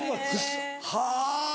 はぁ。